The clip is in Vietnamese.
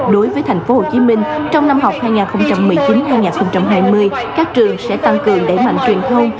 đối với tp hcm trong năm học hai nghìn một mươi chín hai nghìn hai mươi các trường sẽ tăng cường đẩy mạnh truyền thông